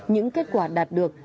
những kết quả đạt được